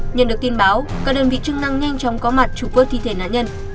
nhận được tin báo các đơn vị chức năng nhanh chóng có mặt trục vớt thi thể nạn nhân